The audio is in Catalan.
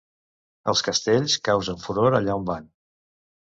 Els castells causen furor allà on van.